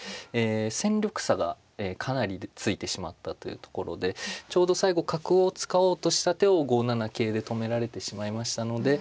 戦力差がかなりついてしまったというところでちょうど最後角を使おうとした手を５七桂で止められてしまいましたのでえま